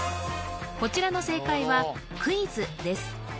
こちらの正解はクイズです